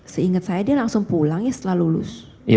seingat saya dia langsung pulang ya setelah lulus